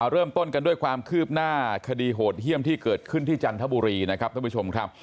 เริ่มต้นกันด้วยความคืบหน้าคดีโหดเยี่ยมที่เกิดขึ้นที่จันทบุรีนะครับท่านผู้ชมครับ